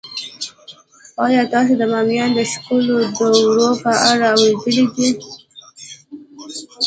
آیا تاسو د بامیان د ښکلو درو په اړه اوریدلي دي؟